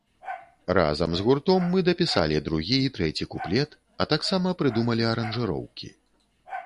Разам з гуртом, мы дапісалі другі і трэці куплет, а таксама прыдумалі аранжыроўкі.